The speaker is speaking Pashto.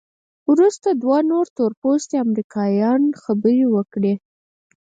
وروسته دوه تورپوستي امریکایان خبرې وکړې.